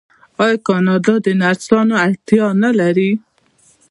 آیا کاناډا د نرسانو اړتیا نلري؟